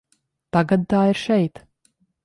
Tagad tā ir šeit.